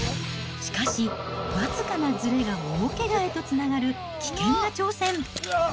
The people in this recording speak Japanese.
しかし、僅かなずれが大けがへとつながる危険な挑戦。